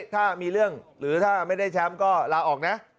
ถ้ามีเรื่องหรือถ้าไม่ได้แชมป์ก็ลาออกนะ